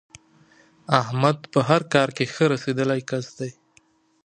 احمد په هر کار کې ښه رسېدلی کس دی.